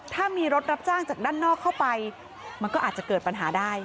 ถ้ามีรถรับจ้างจากด้านนอกเข้าไปมันก็อาจจะเกิดปัญหาได้